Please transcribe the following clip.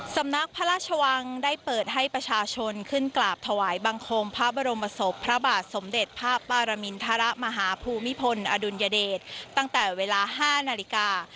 สำนักพระราชวังได้เปิดให้ประชาชนขึ้นกราบถวายบังคมพระบรมศพพระบาทสมเด็จพระปรมินทรมาหาภูมิพลอดุลยเดชตั้งแต่เวลา๕นาฬิกา